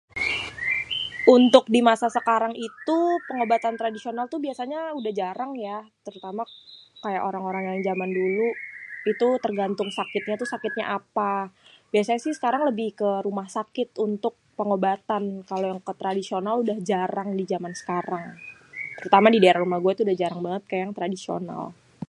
Untuk dimasa sekarang itu pengobatan tradisional itu udeh jarang ya, terutama kaya orang-orang yang jaman dulu. Itu tergantung sakitnye tuh sakitnye tuh sakit apa sekarang si lebih untuk ke rumah sakit, untuk pengobatan kalo yang tradisional karna udah jarang dijaman sekarang, terutama tuh di daerah rumah gué tuh udah jarang banget yang tradisional.